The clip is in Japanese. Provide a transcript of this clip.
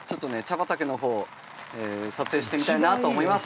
畑のほう撮影してみたいなと思います